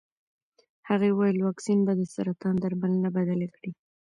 هغې وویل واکسین به د سرطان درملنه بدله کړي.